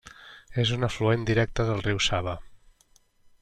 És un afluent directe del riu Sava.